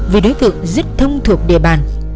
vì đối tượng rất thông thuộc địa bàn